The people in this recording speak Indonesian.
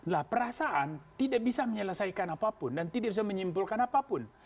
nah perasaan tidak bisa menyelesaikan apapun dan tidak bisa menyimpulkan apapun